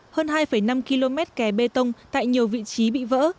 hơn hai năm km kè bê tông tại nhiều vị trí bị vỡ